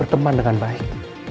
teman dengan baik